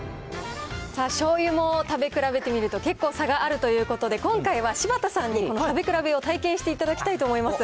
さあ、醤油も食べ比べてみると、結構差があるということで、今回は柴田さんに食べ比べを体験していただきたいと思います。